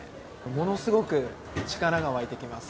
ものすごく力が湧いてきます。